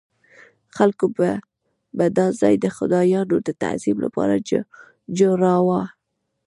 خلکو به دا ځای د خدایانو د تعظیم لپاره جوړاوه.